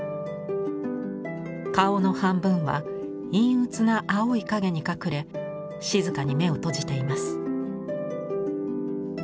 顔の半分は陰鬱な青い影に隠れ静かに目を閉じています。